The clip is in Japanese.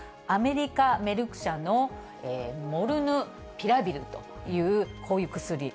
アメリカ・メルク社のモルヌピラビルという、こういう薬。